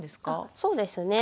そうですね。